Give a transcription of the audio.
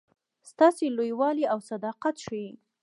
ستاسي لوی والی او صداقت ښيي.